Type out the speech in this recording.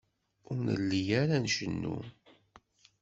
Ur nelli ara ncennu.